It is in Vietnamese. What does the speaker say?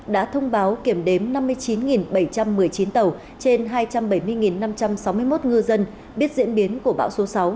đã thông báo kiểm đếm năm mươi chín bảy trăm một mươi chín tàu trên hai trăm bảy mươi năm trăm sáu mươi một ngư dân biết diễn biến của bão số sáu